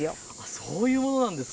そういうものなんですか。